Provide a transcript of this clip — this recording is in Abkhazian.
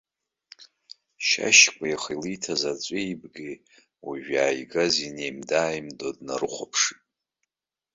Шьашькәа иаха илиҭаз аҵәа еибгеи, уажәы иааигази неимда-ааимдан днарыхәаԥшит.